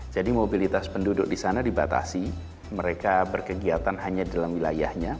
jadi mobilitas penduduk di sana dibatasi mereka berkegiatan hanya di dalam wilayahnya